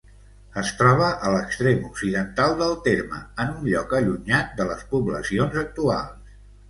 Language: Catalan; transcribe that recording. Es troba a l'extrem occidental del terme, en un lloc allunyat de les poblacions actuals.